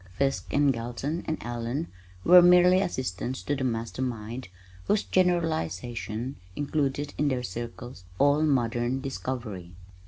Fiske and Galton and Allen were merely assistants to the Master Mind whose generalizations included in their circles all modern discovery.